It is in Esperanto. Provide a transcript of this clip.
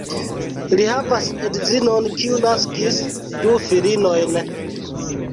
Li havas edzinon, kiu naskis du filinojn.